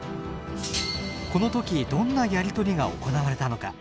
この時どんなやり取りが行われたのか？